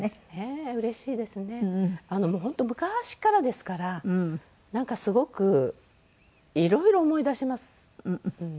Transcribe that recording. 本当昔からですからなんかすごくいろいろ思い出します。